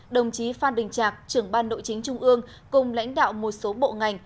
đồng chí phan đình trạc trưởng ban nội chính trung ương cùng lãnh đạo một số bộ ngành